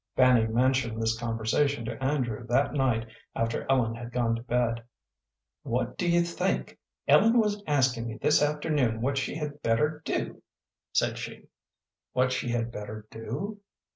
Fanny mentioned this conversation to Andrew that night after Ellen had gone to bed. "What do you think Ellen was asking me this afternoon what she had better do!" said she. "What she had better do?"